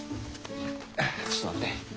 ちょっと待って。